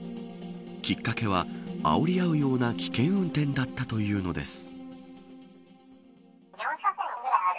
きっかけは、あおり合うような危険運転だったというのです。